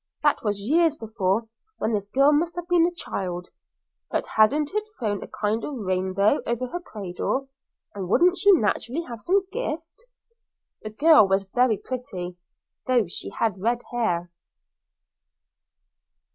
That was years before, when this girl must have been a child; but hadn't it thrown a kind of rainbow over her cradle, and wouldn't she naturally have some gift? The girl was very pretty, though she had red hair.